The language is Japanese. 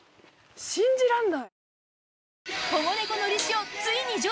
信じらんない。